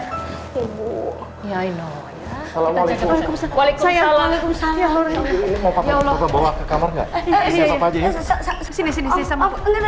ibu ya ini ya kita bisa walaikum salam ya allah allah allah allah allah allah